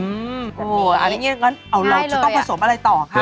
เอาเราจะต้องผสมอะไรต่อคะง่ายเลย